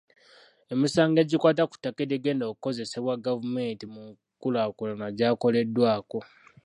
Emisango egikwata ku ttaka erigenda okukozesebwa gavumenti mu nkulaakulana gyakoleddwako.